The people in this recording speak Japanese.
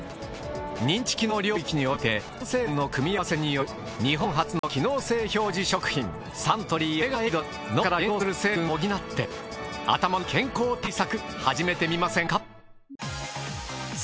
認知機能領域において３成分の組み合わせによる日本初の機能性表示食品サントリーオメガエイドで脳から減少する成分を補って頭の健康対策始めてみませんか？